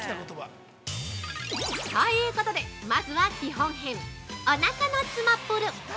◆ということで、まずは基本編おなかのつまぷる。